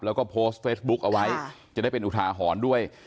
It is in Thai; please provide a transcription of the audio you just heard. แล้วก็โพสต์เฟซบุ๊กเอาไว้จะได้เป็นอุทาหรณ์ด้วย